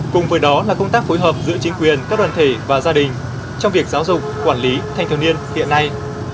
cùng với đó là công tác phối hợp giữa chính quyền các đoàn thể và gia đình trong việc giáo dục quản lý thanh thiếu niên hiện nay